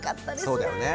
そうだよね。